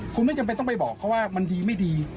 คุณไม่จำเป็นต้องไปบอกเขาว่ามันดีไม่ดี